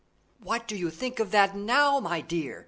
"What do you think of that now, my dear?"